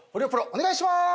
お願いします。